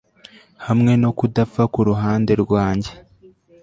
hamwe no kudapfa kuruhande rwanjye